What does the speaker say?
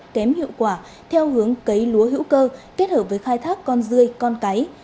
kém hiệu quả theo hướng cấy lúa hữu cơ kết hợp với khai thác con dươi con cái